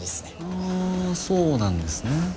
ああそうなんですね。